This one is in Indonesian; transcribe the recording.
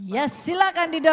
yes silahkan didorong